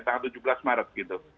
tanggal tujuh belas maret gitu